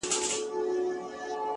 • د عقل لاري تر منزله رسېدلي نه دي ,